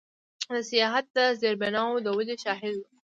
د سیاحت د زیربناوو د ودې شاهد و.